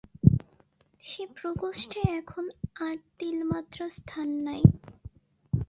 সে প্রকোষ্ঠে এখন আর তিলমাত্র স্থান নাই।